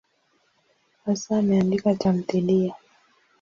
Hasa ameandika tamthiliya.